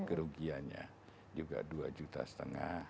kerugiannya juga dua juta setengah